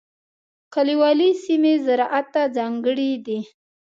کلیوالي سیمې زراعت ته ځانګړې دي.